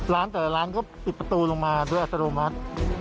ร้านแต่ร้านก็ปิดประตูลงมาด้วยอัสโรมัติ